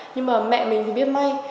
nhưng mà mẹ mình thì biết may